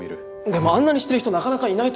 でもあんなにしてる人なかなかいないと。